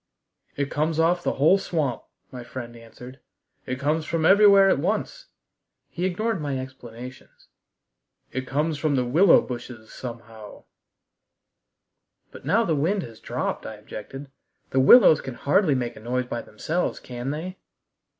"It comes off the whole swamp," my friend answered. "It comes from everywhere at once." He ignored my explanations. "It comes from the willow bushes somehow " "But now the wind has dropped," I objected "The willows can hardly make a noise by themselves, can they?"